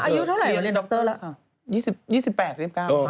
อายุเท่าไหร่เรียนดรแล้ว